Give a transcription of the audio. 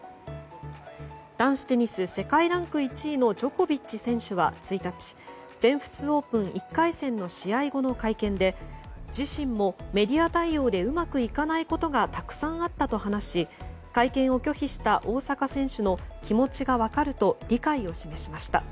男子テニス世界ランク１位のジョコビッチ選手は１日全仏オープン１回戦の試合後の会見で自身もメディア対応でうまくいかないことがたくさんあったと話し会見を拒否した大坂選手の気持ちが分かると理解を示しました。